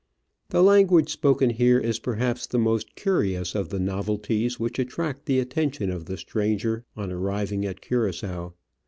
The language spoken here is perhaps the most curious of the novelties which attract the attention of the stranger on arriving at Cura^oa.